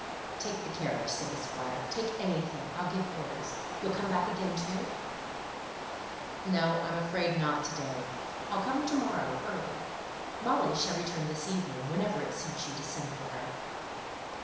"Take the carriage," said the Squire. "Take anything. I'll give orders. You'll come back again, too?" "No! I'm afraid not, to day. I'll come to morrow, early. Molly shall return this evening, whenever it suits you to send for her."